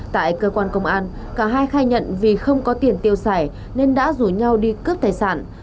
tại cơ quan công an cả hai khai nhận vì không có tiền tiêu xài nên đã rủ nhau đi cướp tài sản